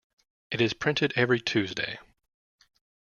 It is printed every Tuesday.